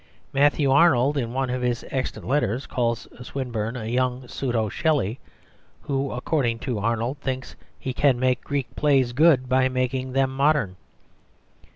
Matthew Arnold, in one of his extant letters, calls Swinburne "a young pseudo Shelley," who, according to Arnold, thinks he can make Greek plays good by making them modern.